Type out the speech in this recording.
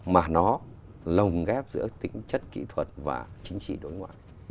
mà nó lồng ghép giữa tính chất kỹ thuật và chính trị đối ngoại